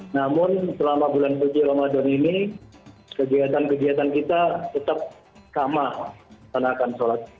namun selama bulan puji ramadan ini kegiatan kegiatan kita tetap kamar tanahkan sholat